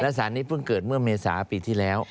สารนี้เพิ่งเกิดเมื่อเมษาปีที่แล้ว